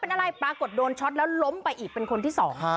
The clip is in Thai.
เป็นอะไรปรากฏโดนช็อตแล้วล้มไปอีกเป็นคนที่สอง